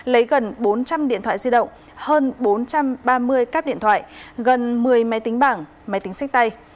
lấy gần bốn trăm linh điện thoại di động hơn bốn trăm ba mươi cáp điện thoại gần một mươi máy tính bảng máy tính sách tay